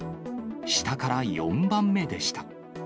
下から４番目でした。